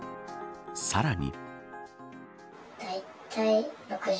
さらに。